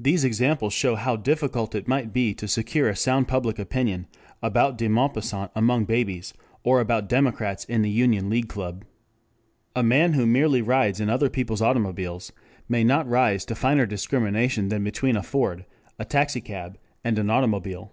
These examples show how difficult it might be to secure a sound public opinion about de Maupassant among babies, or about Democrats in the Union League Club. A man who merely rides in other people's automobiles may not rise to finer discrimination than between a Ford, a taxicab, and an automobile.